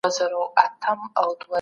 سياست له ځواک او زور سره تړاو لري.